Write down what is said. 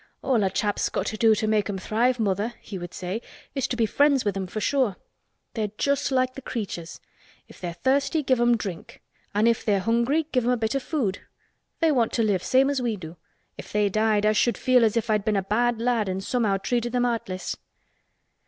"All a chap's got to do to make 'em thrive, mother," he would say, "is to be friends with 'em for sure. They're just like th' 'creatures.' If they're thirsty give 'em drink and if they're hungry give 'em a bit o' food. They want to live same as we do. If they died I should feel as if I'd been a bad lad and somehow treated them heartless."